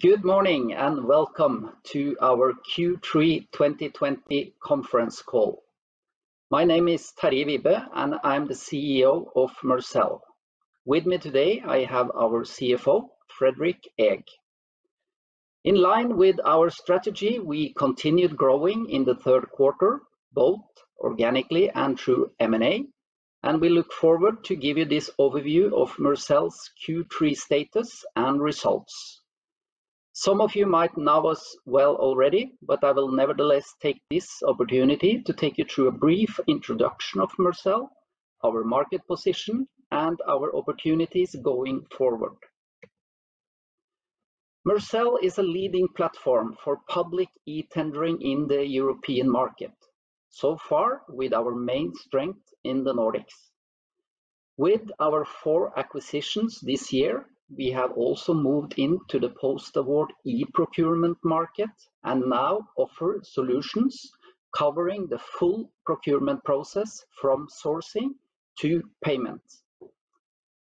Good morning, welcome to our Q3 2020 conference call. My name is Terje Wibe, and I'm the CEO of Mercell. With me today, I have our CFO, Fredrik Eeg. In line with our strategy, we continued growing in the third quarter, both organically and through M&A, and we look forward to give you this overview of Mercell's Q3 status and results. Some of you might know us well already, I will nevertheless take this opportunity to take you through a brief introduction of Mercell, our market position, and our opportunities going forward. Mercell is a leading platform for public e-tendering in the European market, so far with our main strength in the Nordics. With our four acquisitions this year, we have also moved into the post-award e-procurement market and now offer solutions covering the full procurement process from sourcing to payment.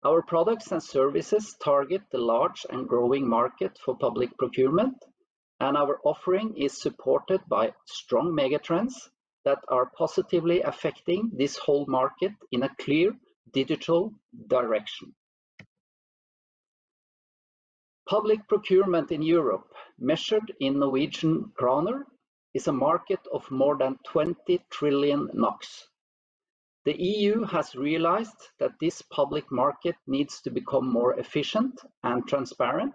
Our products and services target the large and growing market for public procurement, and our offering is supported by strong mega trends that are positively affecting this whole market in a clear digital direction. Public procurement in Europe, measured in Norwegian kroner, is a market of more than 20 trillion NOK. The EU has realized that this public market needs to become more efficient and transparent,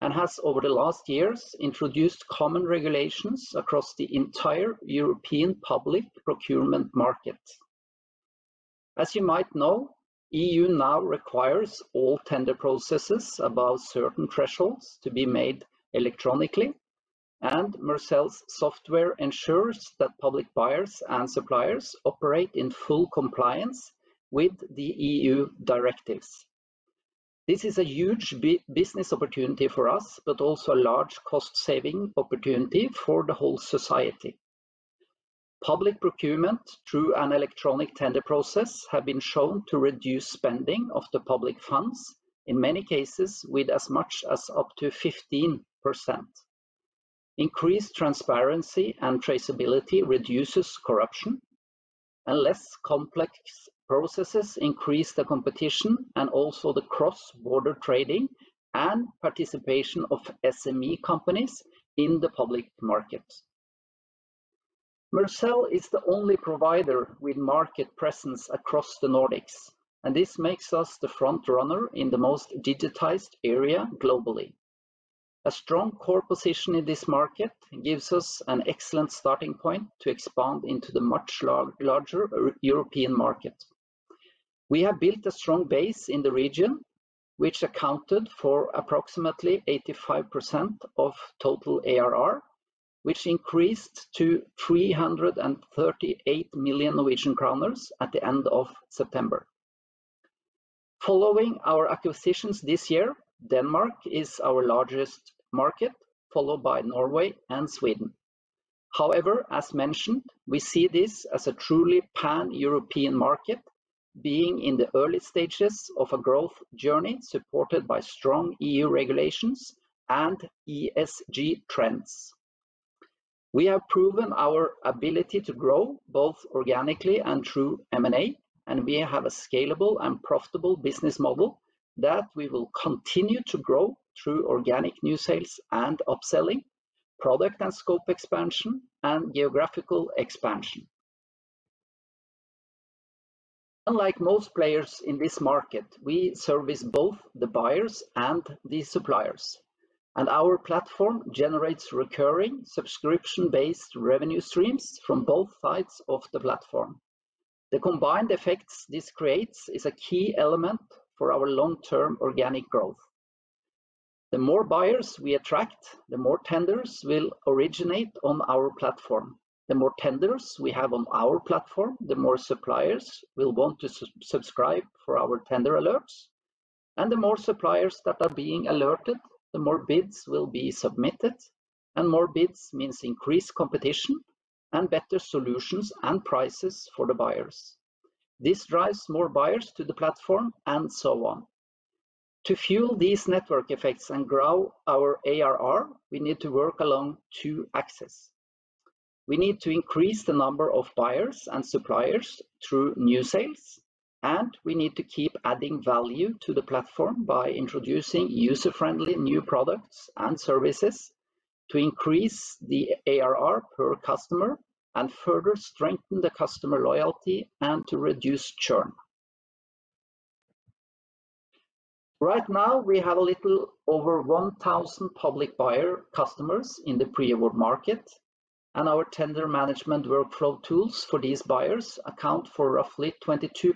and has over the last years introduced common regulations across the entire European public procurement market. As you might know, EU now requires all tender processes above certain thresholds to be made electronically, and Mercell's software ensures that public buyers and suppliers operate in full compliance with the EU directives. This is a huge business opportunity for us, but also a large cost-saving opportunity for the whole society. Public procurement through an electronic tender process have been shown to reduce spending of the public funds, in many cases with as much as up to 15%. Increased transparency and traceability reduces corruption, and less complex processes increase the competition and also the cross-border trading and participation of SME companies in the public market. Mercell is the only provider with market presence across the Nordics, and this makes us the front runner in the most digitized area globally. A strong core position in this market gives us an excellent starting point to expand into the much larger European market. We have built a strong base in the region, which accounted for approximately 85% of total ARR, which increased to 338 million at the end of September. Following our acquisitions this year, Denmark is our largest market, followed by Norway and Sweden. However, as mentioned, we see this as a truly pan-European market being in the early stages of a growth journey supported by strong EU regulations and ESG trends. We have proven our ability to grow, both organically and through M&A, and we have a scalable and profitable business model that we will continue to grow through organic new sales and upselling, product and scope expansion, and geographical expansion. Unlike most players in this market, we service both the buyers and the suppliers, and our platform generates recurring subscription-based revenue streams from both sides of the platform. The combined effects this creates is a key element for our long-term organic growth. The more buyers we attract, the more tenders will originate on our platform. The more tenders we have on our platform, the more suppliers will want to subscribe for our Tender Alerts. The more suppliers that are being alerted, the more bids will be submitted, and more bids means increased competition and better solutions and prices for the buyers. This drives more buyers to the platform, and so on. To fuel these network effects and grow our ARR, we need to work along two axes. We need to increase the number of buyers and suppliers through new sales, and we need to keep adding value to the platform by introducing user-friendly new products and services to increase the ARR per customer and further strengthen the customer loyalty and to reduce churn. Right now, we have a little over 1,000 public buyer customers in the pre-award market, and our tender management workflow tools for these buyers account for roughly 22%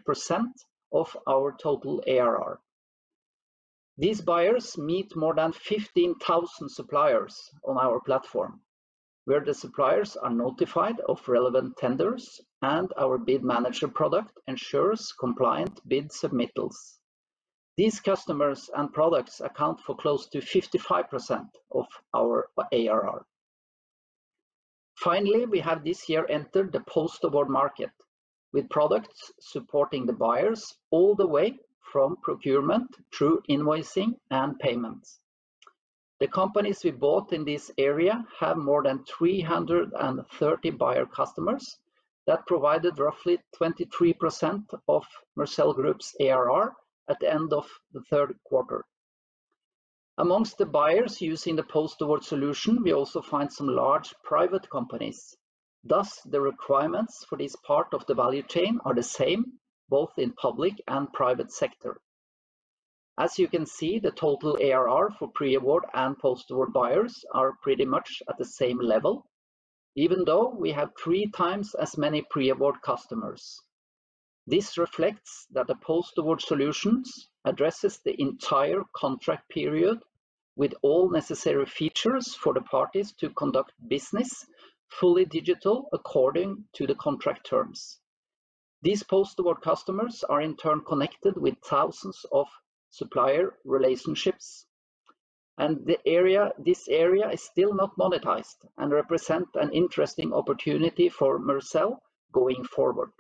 of our total ARR. These buyers meet more than 15,000 suppliers on our platform, where the suppliers are notified of relevant tenders and our Bid Manager product ensures compliant bid submittals. These customers and products account for close to 55% of our ARR. Finally, we have this year entered the post-award market with products supporting the buyers all the way from procurement through invoicing and payments. The companies we bought in this area have more than 330 buyer customers that provided roughly 23% of Mercell Group's ARR at the end of the third quarter. Amongst the buyers using the post-award solution, we also find some large private companies. Thus, the requirements for this part of the value chain are the same, both in public and private sector. As you can see, the total ARR for pre-award and post-award buyers are pretty much at the same level, even though we have three times as many pre-award customers. This reflects that the post-award solutions addresses the entire contract period with all necessary features for the parties to conduct business fully digital according to the contract terms. These post-award customers are in turn connected with thousands of supplier relationships, and this area is still not monetized and represent an interesting opportunity for Mercell going forward.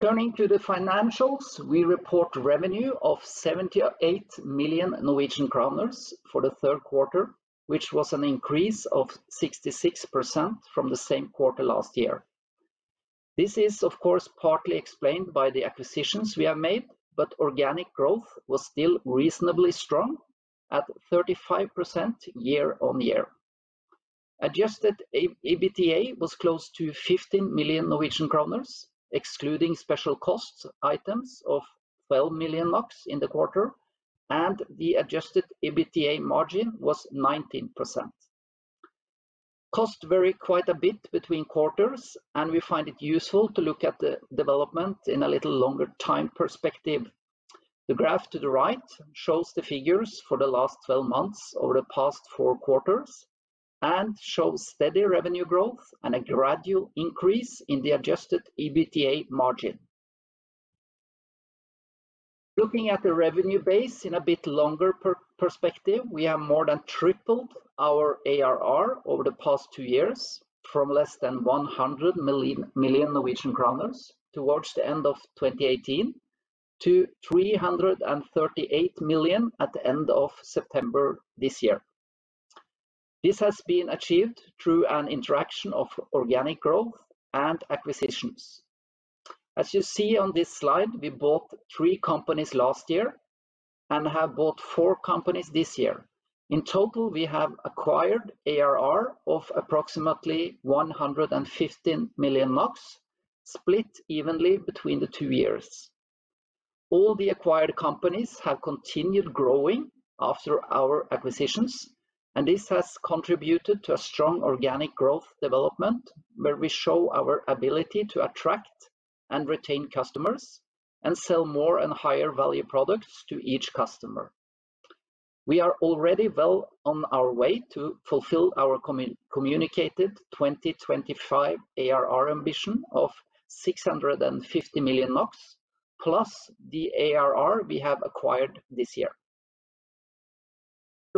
Turning to the financials, we report revenue of 78 million Norwegian kroner for the third quarter, which was an increase of 66% from the same quarter last year. This is, of course, partly explained by the acquisitions we have made, but organic growth was still reasonably strong at 35% year-on-year. Adjusted EBITDA was close to 15 million Norwegian kroner, excluding special costs items of 12 million NOK in the quarter, and the adjusted EBITDA margin was 19%. Costs vary quite a bit between quarters, and we find it useful to look at the development in a little longer time perspective. The graph to the right shows the figures for the last 12 months over the past four quarters and shows steady revenue growth and a gradual increase in the adjusted EBITDA margin. Looking at the revenue base in a bit longer perspective, we have more than tripled our ARR over the past two years from less than 100 million towards the end of 2018 to 338 million at the end of September this year. This has been achieved through an interaction of organic growth and acquisitions. As you see on this slide, we bought three companies last year and have bought four companies this year. In total, we have acquired ARR of approximately 115 million NOK, split evenly between the two years. All the acquired companies have continued growing after our acquisitions, and this has contributed to a strong organic growth development where we show our ability to attract and retain customers and sell more and higher value products to each customer. We are already well on our way to fulfill our communicated 2025 ARR ambition of 650 million NOK plus the ARR we have acquired this year.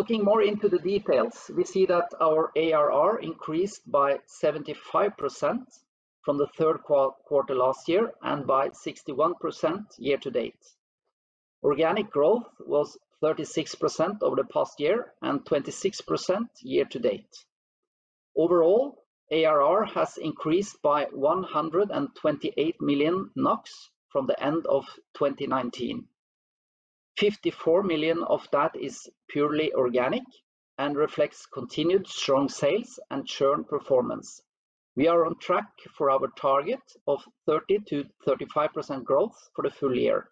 Looking more into the details, we see that our ARR increased by 75% from the third quarter last year and by 61% year to date. Organic growth was 36% over the past year and 26% year to date. Overall, ARR has increased by 128 million NOK from the end of 2019. 54 million of that is purely organic and reflects continued strong sales and churn performance. We are on track for our target of 30%-35% growth for the full year.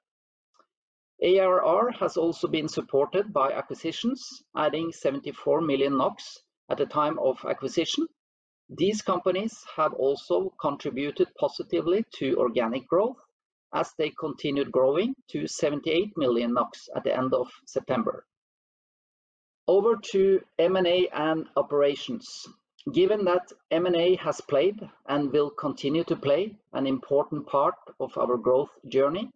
ARR has also been supported by acquisitions, adding 74 million NOK at the time of acquisition. These companies have also contributed positively to organic growth as they continued growing to 78 million NOK at the end of September. Over to M&A and operations. Given that M&A has played and will continue to play an important part of our growth journey,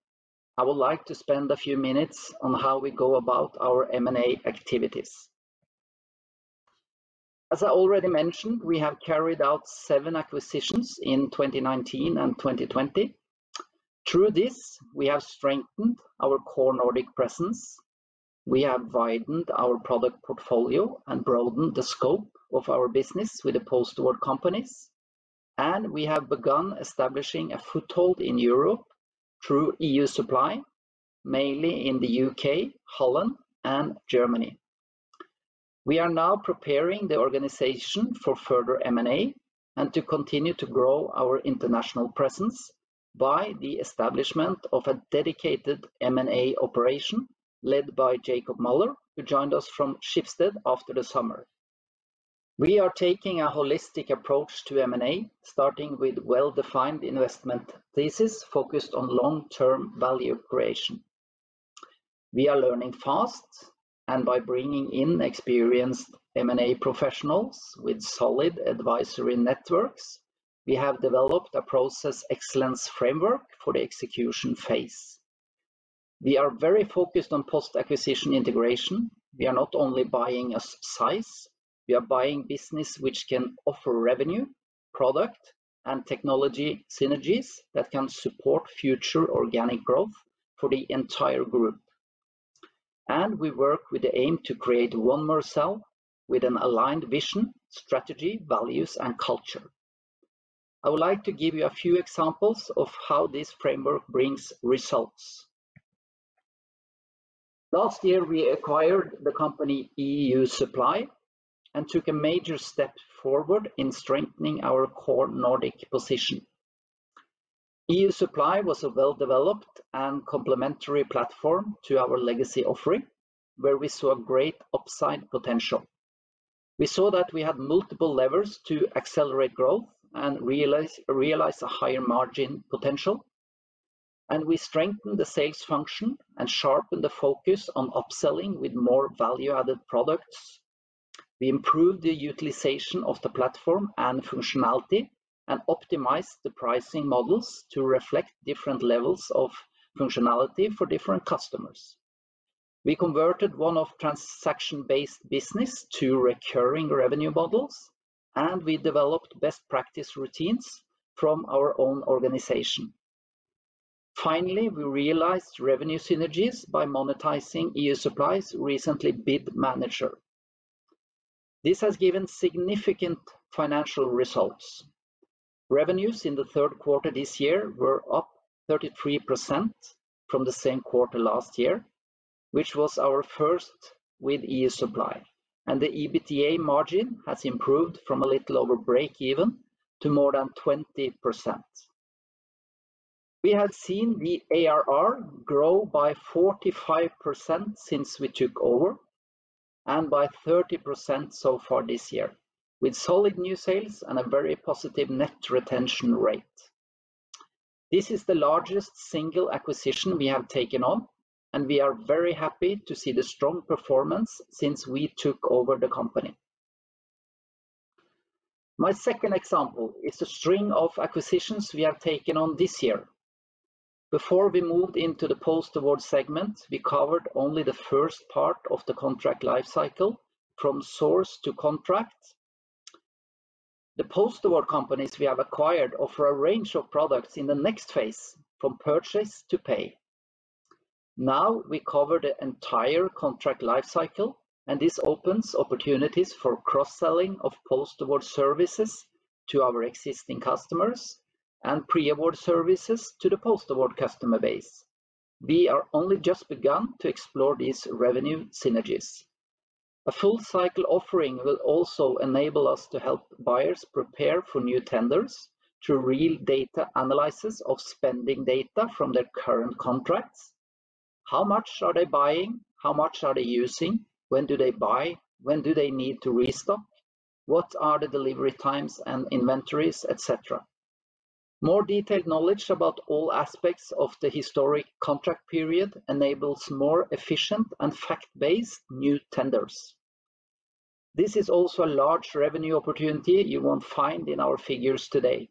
I would like to spend a few minutes on how we go about our M&A activities. As I already mentioned, we have carried out seven acquisitions in 2019 and 2020. Through this, we have strengthened our core Nordic presence, we have widened our product portfolio and broadened the scope of our business with the post-award companies, and we have begun establishing a foothold in Europe through EU Supply, mainly in the U.K., Holland, and Germany. We are now preparing the organization for further M&A and to continue to grow our international presence by the establishment of a dedicated M&A operation led by Jacob Møller, who joined us from Schibsted after the summer. We are taking a holistic approach to M&A, starting with well-defined investment thesis focused on long-term value creation. We are learning fast, and by bringing in experienced M&A professionals with solid advisory networks, we have developed a process excellence framework for the execution phase. We are very focused on post-acquisition integration. We are not only buying a size, we are buying business which can offer revenue, product, and technology synergies that can support future organic growth for the entire group. We work with the aim to create one Mercell with an aligned vision, strategy, values, and culture. I would like to give you a few examples of how this framework brings results. Last year, we acquired the company EU Supply and took a major step forward in strengthening our core Nordic position. EU Supply was a well-developed and complementary platform to our legacy offering, where we saw great upside potential. We saw that we had multiple levers to accelerate growth and realize a higher margin potential, and we strengthened the sales function and sharpened the focus on upselling with more value-added products. We improved the utilization of the platform and functionality and optimized the pricing models to reflect different levels of functionality for different customers. We converted one-off transaction-based business to recurring revenue models, and we developed best practice routines from our own organization. Finally, we realized revenue synergies by monetizing EU Supply's recently Bid Manager. This has given significant financial results. Revenues in the third quarter this year were up 33% from the same quarter last year, which was our first with EU Supply, and the EBITDA margin has improved from a little over break even to more than 20%. We have seen the ARR grow by 45% since we took over, and by 30% so far this year, with solid new sales and a very positive net retention rate. This is the largest single acquisition we have taken on, and we are very happy to see the strong performance since we took over the company. My second example is a string of acquisitions we have taken on this year. Before we moved into the post-award segment, we covered only the first part of the contract life cycle from source-to-contract. The post-award companies we have acquired offer a range of products in the next phase, from purchase-to-pay. Now, we cover the entire contract life cycle, and this opens opportunities for cross-selling of post-award services to our existing customers and pre-award services to the post-award customer base. We are only just begun to explore these revenue synergies. A full-cycle offering will also enable us to help buyers prepare for new tenders through real data analysis of spending data from their current contracts. How much are they buying? How much are they using? When do they buy? When do they need to restock? What are the delivery times and inventories, et cetera? More detailed knowledge about all aspects of the historic contract period enables more efficient and fact-based new tenders. This is also a large revenue opportunity you won't find in our figures today.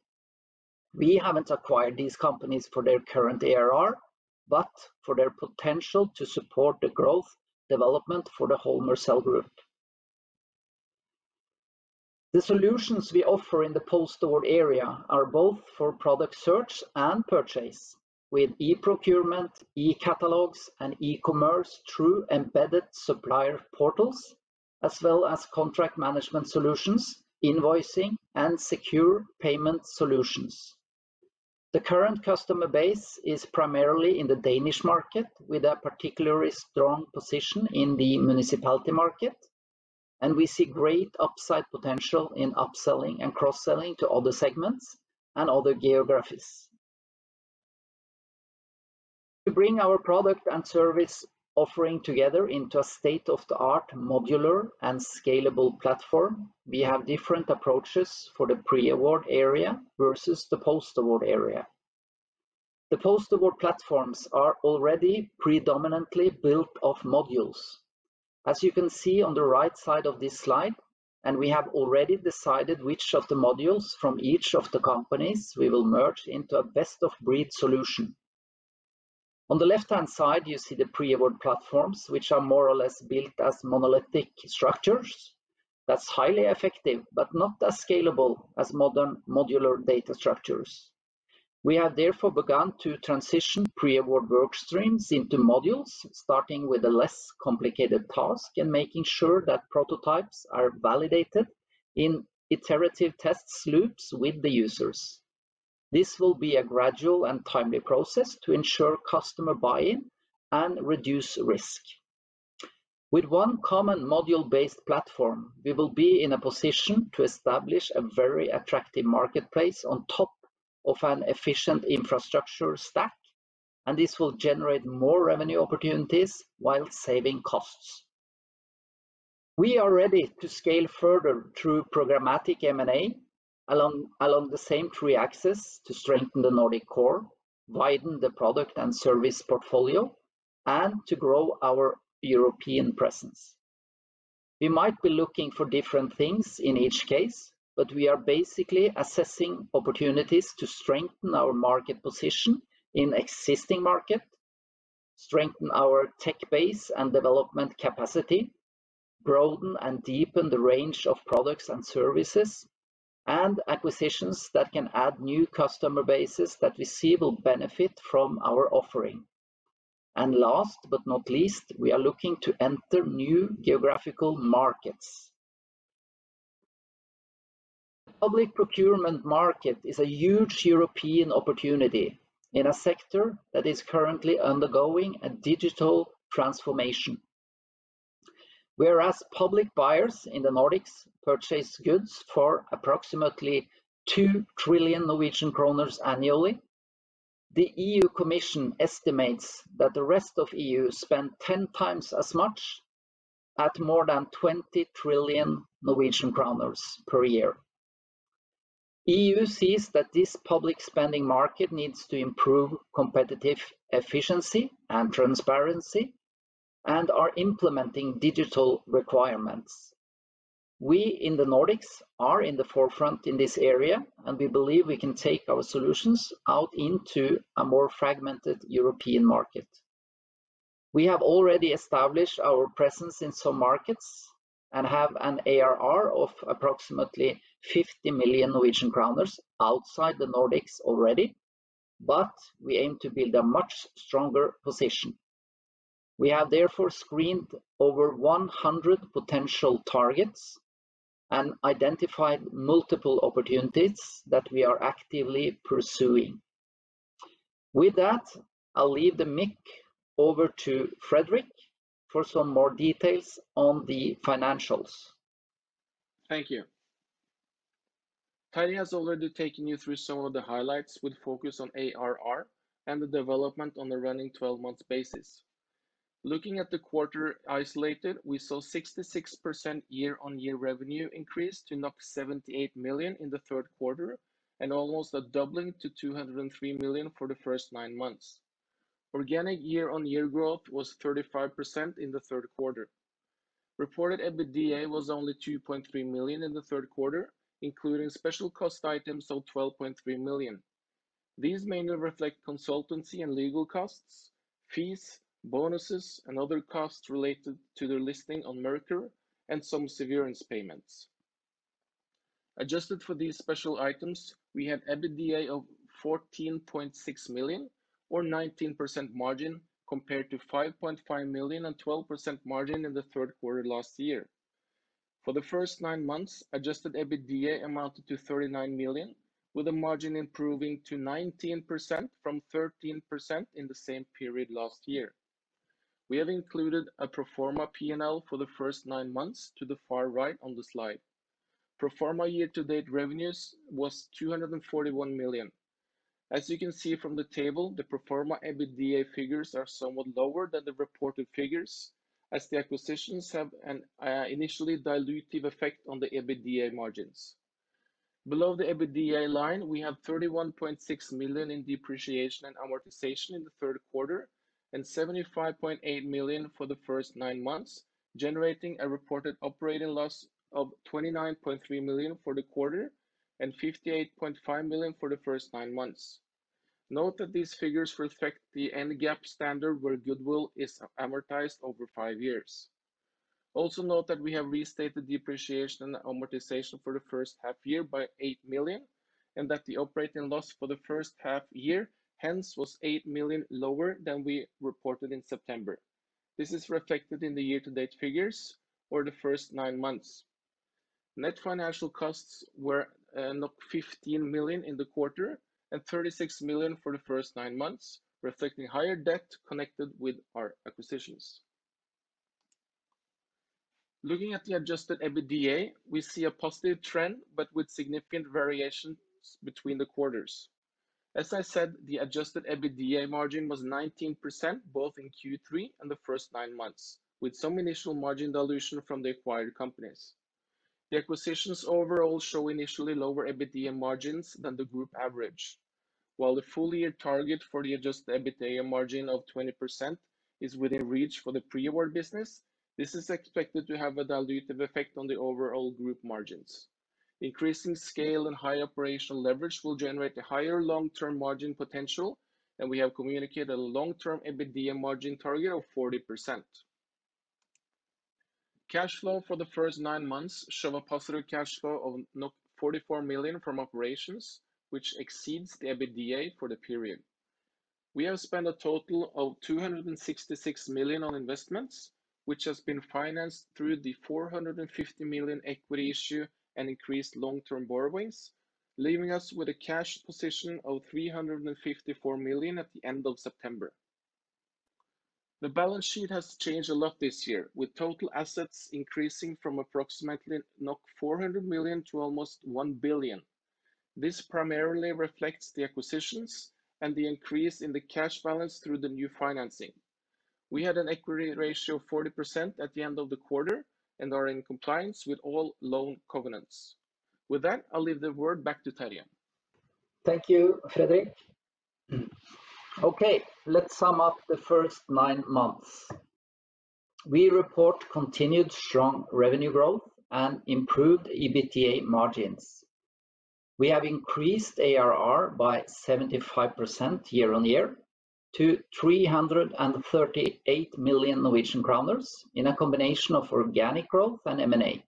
We haven't acquired these companies for their current ARR, but for their potential to support the growth development for the whole Mercell Group. The solutions we offer in the post-award area are both for product search and purchase with e-procurement, e-catalogs, and e-commerce through embedded supplier portals, as well as contract management solutions, invoicing, and secure payment solutions. The current customer base is primarily in the Danish market, with a particularly strong position in the municipality market, and we see great upside potential in upselling and cross-selling to other segments and other geographies. To bring our product and service offering together into a state-of-the-art modular and scalable platform, we have different approaches for the pre-award area versus the post-award area. The post-award platforms are already predominantly built of modules, as you can see on the right side of this slide, and we have already decided which of the modules from each of the companies we will merge into a best-of-breed solution. On the left-hand side, you see the pre-award platforms, which are more or less built as monolithic structures. That's highly effective, but not as scalable as modern modular data structures. We have therefore begun to transition pre-award work streams into modules, starting with a less complicated task and making sure that prototypes are validated in iterative test loops with the users. This will be a gradual and timely process to ensure customer buy-in and reduce risk. With one common module-based platform, we will be in a position to establish a very attractive marketplace on top of an efficient infrastructure stack. This will generate more revenue opportunities while saving costs. We are ready to scale further through programmatic M&A along the same three axes: to strengthen the Nordic core, widen the product and service portfolio, and to grow our European presence. We might be looking for different things in each case, we are basically assessing opportunities to strengthen our market position in existing market, strengthen our tech base and development capacity, broaden and deepen the range of products and services, and acquisitions that can add new customer bases that we see will benefit from our offering. Last but not least, we are looking to enter new geographical markets. Public procurement market is a huge European opportunity in a sector that is currently undergoing a digital transformation. Whereas public buyers in the Nordics purchase goods for approximately 2 trillion Norwegian kroner annually, the EU Commission estimates that the rest of EU spend 10 times as much at more than 20 trillion Norwegian kroner per year. EU sees that this public spending market needs to improve competitive efficiency and transparency and are implementing digital requirements. We in the Nordics are in the forefront in this area, and we believe we can take our solutions out into a more fragmented European market. We have already established our presence in some markets and have an ARR of approximately 50 million Norwegian kroner outside the Nordics already, we aim to build a much stronger position. We have therefore screened over 100 potential targets and identified multiple opportunities that we are actively pursuing. With that, I'll leave the mic over to Fredrik for some more details on the financials. Thank you. Terje has already taken you through some of the highlights with focus on ARR and the development on the running 12-months basis. Looking at the quarter isolated, we saw 66% year-on-year revenue increase to 78 million in the third quarter, and almost a doubling to 203 million for the first nine months. Organic year-on-year growth was 35% in the third quarter. Reported EBITDA was only 2.3 million in the third quarter, including special cost items of 12.3 million. These mainly reflect consultancy and legal costs, fees, bonuses, and other costs related to their listing on Mercell and some severance payments. Adjusted for these special items, we had EBITDA of 14.6 million or 19% margin compared to 5.5 million and 12% margin in the third quarter last year. For the first nine months, adjusted EBITDA amounted to 39 million, with the margin improving to 19% from 13% in the same period last year. We have included a pro forma P&L for the first nine months to the far right on the slide. Pro forma year to date revenues was 241 million. As you can see from the table, the pro forma EBITDA figures are somewhat lower than the reported figures, as the acquisitions have an initially dilutive effect on the EBITDA margins. Below the EBITDA line, we have 31.6 million in depreciation and amortization in the third quarter and 75.8 million for the first nine months, generating a reported operating loss of 29.3 million for the quarter and 58.5 million for the first nine months. Note that these figures reflect the NGAAP standard where goodwill is amortized over five years. Note that we have restated depreciation amortization for the first half year by 8 million, and that the operating loss for the first half year hence was 8 million lower than we reported in September. This is reflected in the year to date figures for the first nine months. Net financial costs were 15 million in the quarter and 36 million for the first nine months, reflecting higher debt connected with our acquisitions. Looking at the adjusted EBITDA, we see a positive trend but with significant variations between the quarters. As I said, the adjusted EBITDA margin was 19% both in Q3 and the first nine months, with some initial margin dilution from the acquired companies. The acquisitions overall show initially lower EBITDA margins than the Group average. While the full year target for the adjusted EBITDA margin of 20% is within reach for the pre-award business, this is expected to have a dilutive effect on the overall group margins. Increasing scale and high operational leverage will generate a higher long-term margin potential, and we have communicated a long-term EBITDA margin target of 40%. Cash flow for the first nine months show a positive cash flow of 44 million from operations, which exceeds the EBITDA for the period. We have spent a total of 266 million on investments, which has been financed through the 450 million equity issue and increased long-term borrowings, leaving us with a cash position of 354 million at the end of September. The balance sheet has changed a lot this year, with total assets increasing from approximately 400 million to almost 1 billion. This primarily reflects the acquisitions and the increase in the cash balance through the new financing. We had an equity ratio of 40% at the end of the quarter and are in compliance with all loan covenants. With that, I'll leave the word back to Terje. Thank you, Fredrik. Let's sum up the first nine months. We report continued strong revenue growth and improved EBITDA margins. We have increased ARR by 75% year-on-year to 338 million Norwegian kroner in a combination of organic growth and M&A.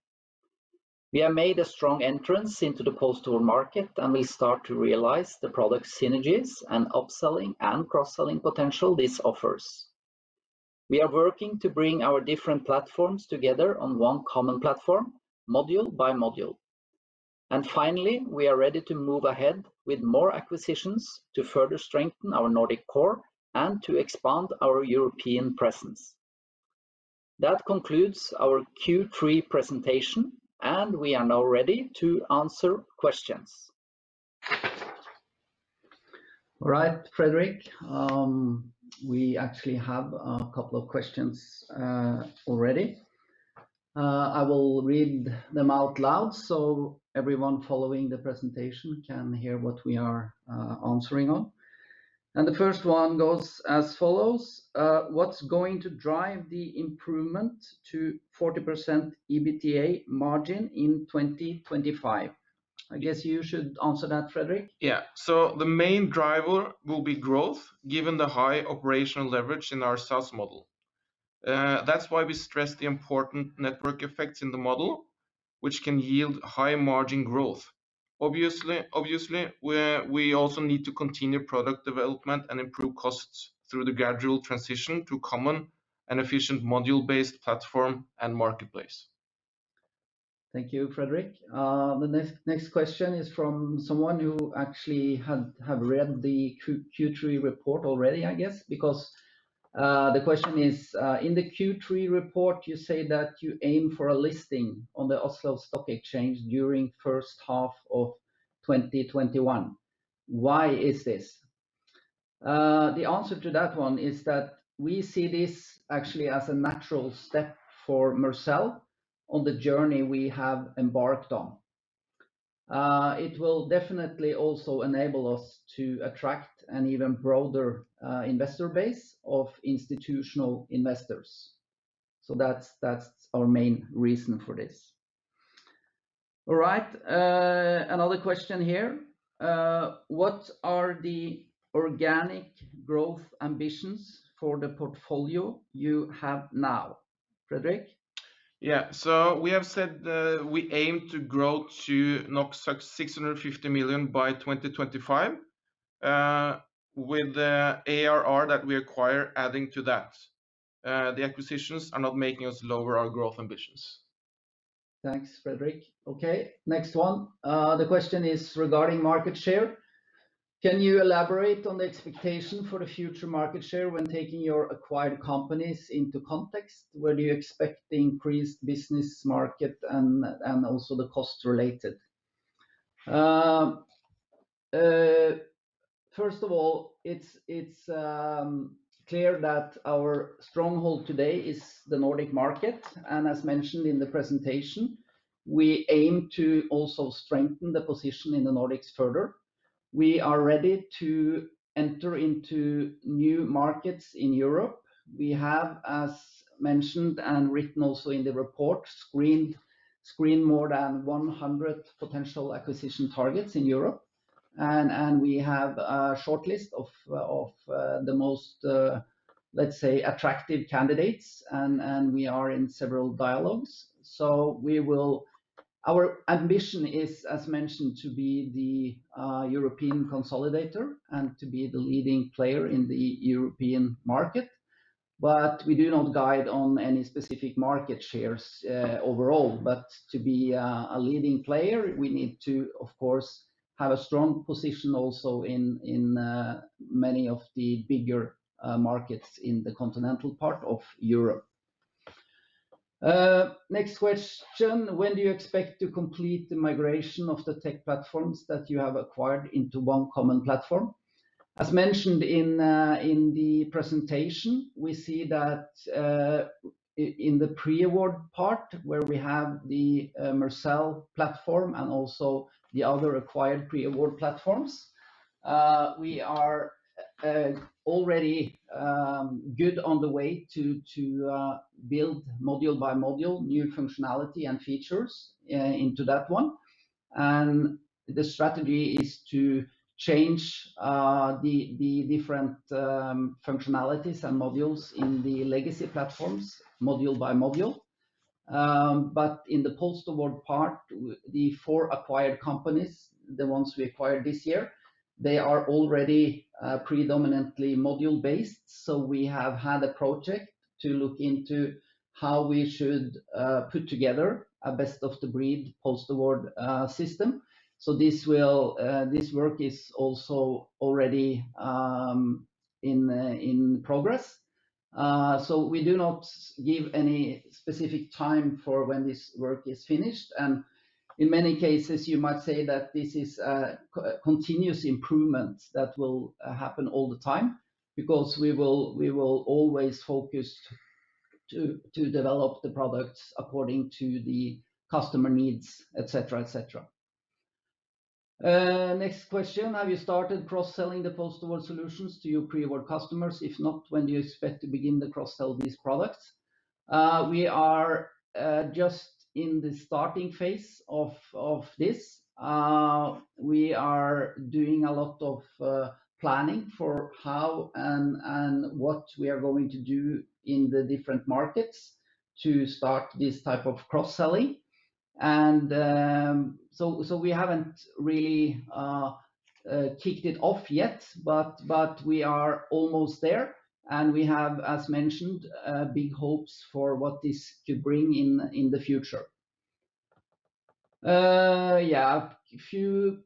We have made a strong entrance into the post-award market. We start to realize the product synergies and upselling and cross-selling potential this offers. We are working to bring our different platforms together on one common platform, module by module. Finally, we are ready to move ahead with more acquisitions to further strengthen our Nordic core and to expand our European presence. That concludes our Q3 presentation. We are now ready to answer questions. All right, Fredrik, we actually have a couple of questions already. I will read them out loud so everyone following the presentation can hear what we are answering on. The first one goes as follows. What's going to drive the improvement to 40% EBITDA margin in 2025? I guess you should answer that, Fredrik. Yeah. The main driver will be growth, given the high operational leverage in our sales model. That's why we stress the important network effects in the model, which can yield high-margin growth. Obviously, we also need to continue product development and improve costs through the gradual transition to common and efficient module-based platform and marketplace. Thank you, Fredrik. The next question is from someone who actually have read the Q3 report already, I guess, because the question is: In the Q3 report, you say that you aim for a listing on the Oslo Stock Exchange during first half of 2021. Why is this? The answer to that one is that we see this actually as a natural step for Mercell on the journey we have embarked on. It will definitely also enable us to attract an even broader investor base of institutional investors. That's our main reason for this. All right. Another question here. What are the organic growth ambitions for the portfolio you have now? Fredrik? Yeah. We have said we aim to grow to 650 million by 2025, with the ARR that we acquire adding to that. The acquisitions are not making us lower our growth ambitions. Thanks, Fredrik. Okay, next one. The question is regarding market share. Can you elaborate on the expectation for the future market share when taking your acquired companies into context? Where do you expect the increased business market and also the cost related? First of all, it's clear that our stronghold today is the Nordic market. As mentioned in the presentation, we aim to also strengthen the position in the Nordics further. We are ready to enter into new markets in Europe. We have, as mentioned and written also in the report, screened more than 100 potential acquisition targets in Europe. We have a shortlist of the most, let's say, attractive candidates. We are in several dialogues. Our ambition is, as mentioned, to be the European consolidator and to be the leading player in the European market. We do not guide on any specific market shares overall. To be a leading player, we need to, of course, have a strong position also in many of the bigger markets in the continental part of Europe. Next question. When do you expect to complete the migration of the tech platforms that you have acquired into one common platform? As mentioned in the presentation, we see that in the pre-award part, where we have the Mercell platform and also the other acquired pre-award platforms, we are already good on the way to build module by module, new functionality and features into that one. The strategy is to change the different functionalities and modules in the legacy platforms module by module. In the post-award part, the four acquired companies, the ones we acquired this year, they are already predominantly module based. We have had a project to look into how we should put together a best-of-breed post-award system. This work is also already in progress. We do not give any specific time for when this work is finished. In many cases, you might say that this is a continuous improvement that will happen all the time because we will always focus to develop the products according to the customer needs, et cetera. Next question, have you started cross-selling the post-award solutions to your pre-award customers? If not, when do you expect to begin to cross-sell these products? We are just in the starting phase of this. We are doing a lot of planning for how and what we are going to do in the different markets to start this type of cross-selling. We haven't really kicked it off yet, but we are almost there, and we have, as mentioned, big hopes for what this could bring in the future. Yeah. A few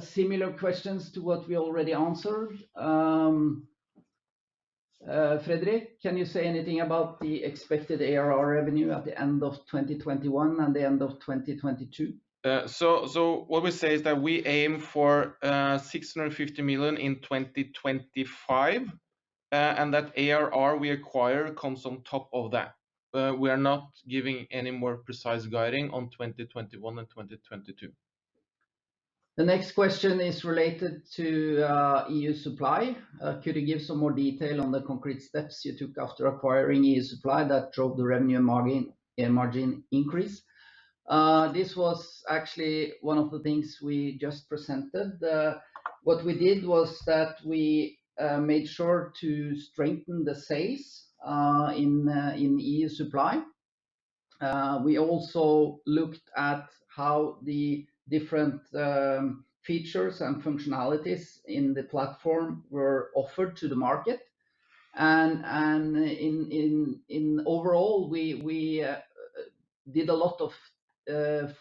similar questions to what we already answered. Fredrik, can you say anything about the expected ARR revenue at the end of 2021 and the end of 2022? What we say is that we aim for 650 million in 2025, and that ARR we acquire comes on top of that. We are not giving any more precise guiding on 2021 and 2022. The next question is related to EU Supply. Could you give some more detail on the concrete steps you took after acquiring EU Supply that drove the revenue and margin increase? This was actually one of the things we just presented. What we did was that we made sure to strengthen the sales in EU Supply. We also looked at how the different features and functionalities in the platform were offered to the market, and in overall, we did a lot of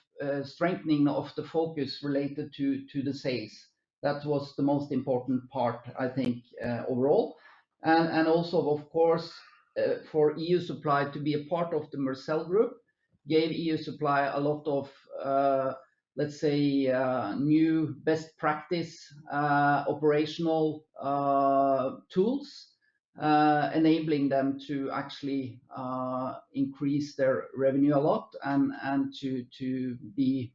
strengthening of the focus related to the sales. That was the most important part, I think, overall. Also, of course, for EU Supply to be a part of the Mercell Group, gave EU Supply a lot of, let's say, new best practice operational tools, enabling them to actually increase their revenue a lot and to be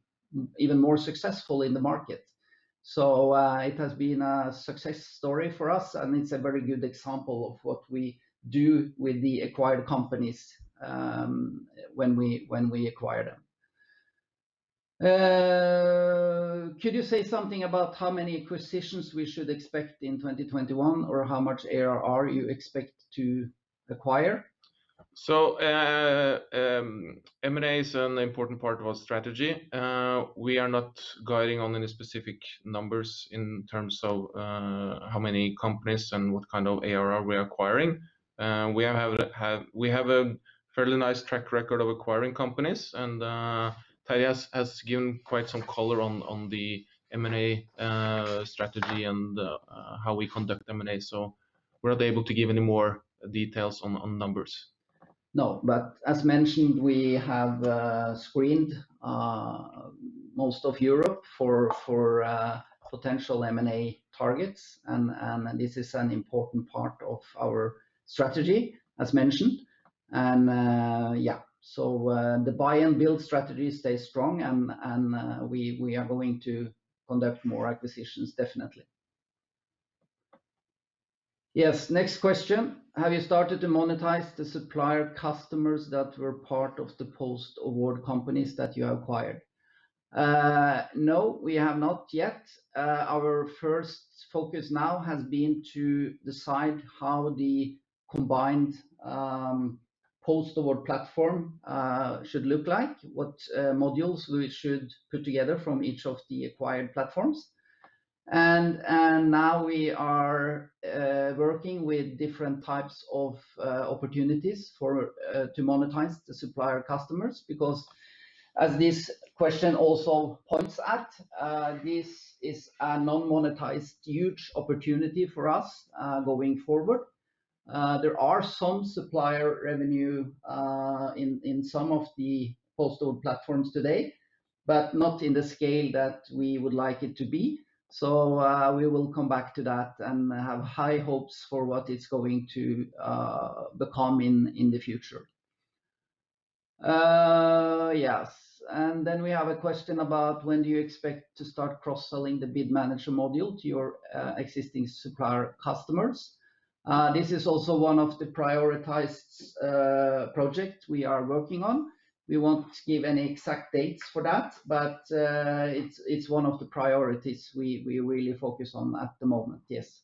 even more successful in the market. It has been a success story for us, and it's a very good example of what we do with the acquired companies when we acquire them. Could you say something about how many acquisitions we should expect in 2021, or how much ARR you expect to acquire? M&A is an important part of our strategy. We are not guiding on any specific numbers in terms of how many companies and what kind of ARR we are acquiring. We have a fairly nice track record of acquiring companies, and Terje has given quite some color on the M&A strategy and how we conduct M&A, so we're not able to give any more details on numbers. As mentioned, we have screened most of Europe for potential M&A targets, and this is an important part of our strategy, as mentioned. Yeah. The buy and build strategy stays strong, and we are going to conduct more acquisitions, definitely. Yes, next question. Have you started to monetize the supplier customers that were part of the post-award companies that you acquired? No, we have not yet. Our first focus now has been to decide how the combined post-award platform should look like, what modules we should put together from each of the acquired platforms. Now we are working with different types of opportunities to monetize the supplier customers because, as this question also points at, this is a non-monetized, huge opportunity for us going forward. There are some supplier revenue in some of the post-award platforms today, but not in the scale that we would like it to be. We will come back to that and have high hopes for what it's going to become in the future. Yes. Then we have a question about when do you expect to start cross-selling the Bid Manager module to your existing supplier customers? This is also one of the prioritized project we are working on. We won't give any exact dates for that, but it's one of the priorities we really focus on at the moment. Yes.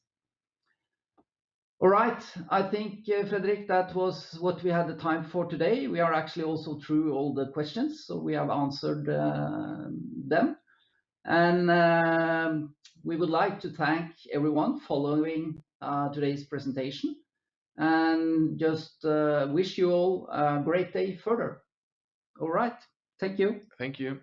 All right. I think, Fredrik, that was what we had the time for today. We are actually also through all the questions, so we have answered them. We would like to thank everyone following today's presentation and just wish you all a great day further. All right. Thank you. Thank you.